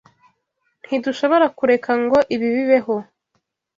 Ntidushobora kureka ngo ibi bibeho.